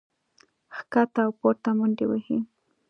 ښکته او پورته منډې وهي